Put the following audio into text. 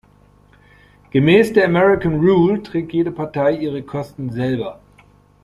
Gemäß der American rule trägt jede Partei ihre Kosten selber.